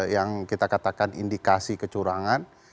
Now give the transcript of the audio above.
yang kita katakan indikasi kecurangan